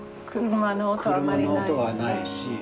車の音はないし。